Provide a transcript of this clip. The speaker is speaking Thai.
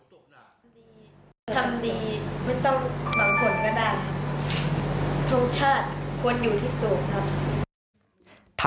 ทำดีไม่ต้องหวังผลก็ได้ทรงชาติควรอยู่ที่สูงครับ